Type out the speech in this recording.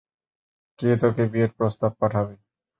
কে তোকে বিয়ের প্রস্তাব পাঠাবে?